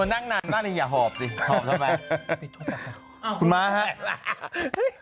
นั่งนานนั่งนี่อย่าหอบสิหอบแล้วไปปิดโทรศัพท์คุณมาฮะ